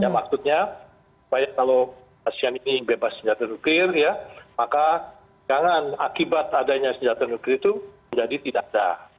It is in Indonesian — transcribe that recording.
maksudnya supaya kalau asean ini bebas senjata nukil maka jangan akibat adanya senjata nukil itu menjadi tidak ada